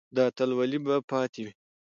دا اتلولي به پاتې وي.